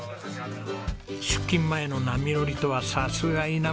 出勤前の波乗りとはさすが稲村ガ崎ですね。